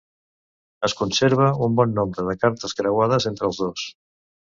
Es conserva un bon nombre de cartes creuades entre els dos.